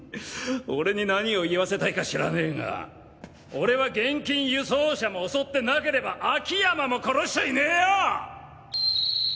俺に何を言わせたいか知らねが俺は現金輸送車も襲ってなければ秋山も殺しちゃいねえよ！